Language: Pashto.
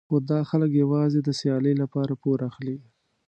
خو دا خلک یوازې د سیالۍ لپاره پور اخلي.